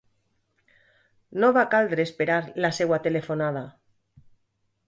No va caldre esperar la seua telefonada.